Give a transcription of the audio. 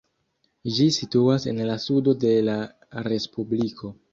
Ĝi situas en la sudo de la respubliko.